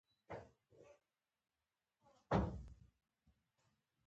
دغه ژورنالېست راته وویل چې د عبدالکریم عابد زوی دی.